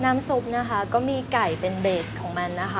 ซุปนะคะก็มีไก่เป็นเบสของมันนะคะ